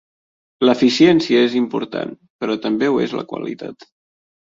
L'eficiència és important, però també ho és la qualitat.